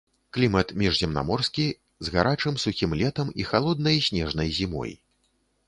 Клімат міжземнаморскі з гарачым сухім летам і халоднай снежнай зімой.